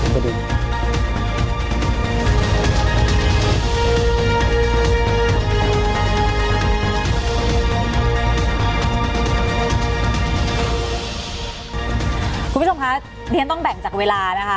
คุณผู้ชมคะเรียนต้องแบ่งจากเวลานะคะ